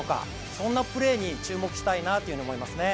そんなプレーに注目したいなというふうに思いますね。